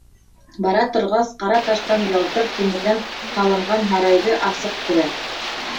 Бара торғас, ҡара таштан, ялтыр тимерҙән һалынған һарайҙы асыҡ күрә.